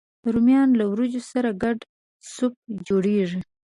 رومیان له ورېجو سره ګډ سوپ جوړوي